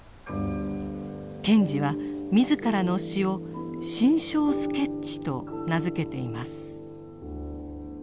賢治は自らの詩を「心象スケッチ」と名付けています。